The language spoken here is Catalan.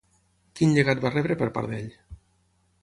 Quin llegat va rebre per part d'ell?